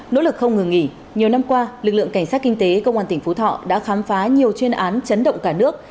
nỗ lực không ngừng nghỉ nhiều năm qua lực lượng cảnh sát kinh tế công an tỉnh phú thọ đã khám phá nhiều chuyên án chấn động cả nước